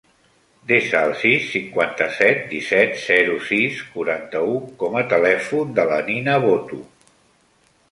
Desa el sis, cinquanta-set, disset, zero, sis, quaranta-u com a telèfon de la Nina Boto.